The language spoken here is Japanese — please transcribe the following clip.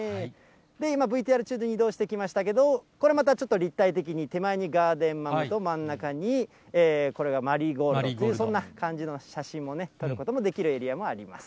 今、ＶＴＲ中で移動してきましたけど、これまたちょっと立体的に、手前にガーデンマムと、真ん中にこれがマリーゴールド、そんな感じの写真も撮ることもできるエリアもあります。